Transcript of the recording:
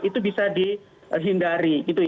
itu bisa dihindari